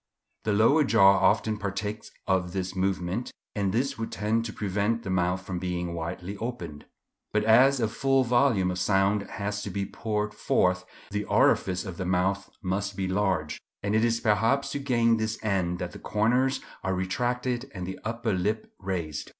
The lower jaw often partakes of this movement, and this would tend to prevent the mouth from being widely opened. But as a full volume of sound has to be poured forth, the orifice of the mouth must be large; and it is perhaps to gain this end that the corners are retracted and the upper lip raised.